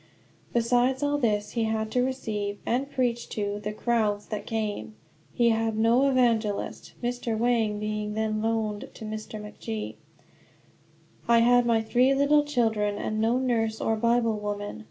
Besides all this he had to receive, and preach to, the crowds that came. He had no evangelist, Mr. Wang being then loaned to Mr. MacG . I had my three little children, and no nurse or Bible woman.